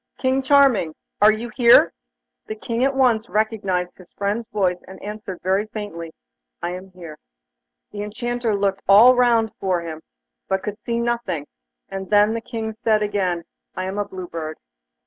King Charming! Are you here?' The King at once recognised his friend's voice, and answered very faintly: 'I am here.' The Enchanter looked all round him, but could see nothing, and then the King said again: 'I am a Blue Bird.